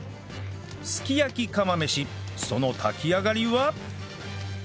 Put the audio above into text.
すき焼き釜飯その炊き上がりは？